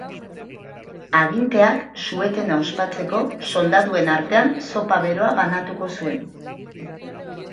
Aginteak, su-etena ospatzeko, soldaduen artean zopa beroa banatuko zuen.